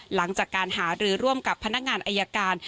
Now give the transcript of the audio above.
หลังจากการหารือร่วมกับพนักงานอายการ